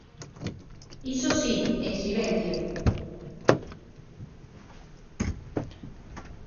Iso si: en silencio.